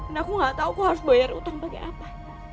dan aku gak tau aku harus bayar utang pake apa